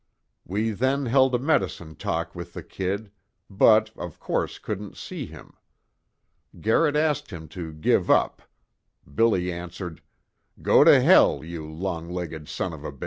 We then held a medicine talk with the Kid, but of course couldn't see him. Garrett asked him to give up, Billy answered: 'Go to h l, you long legged s of a b!'